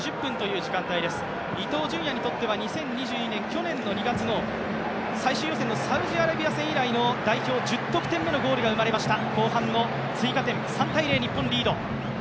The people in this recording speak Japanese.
伊東純也にとっては２０２２年去年２月の最終予選のサウジアラビア戦以来の代表１０得点目のゴールが生まれました。